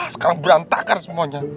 sekarang berantakan semuanya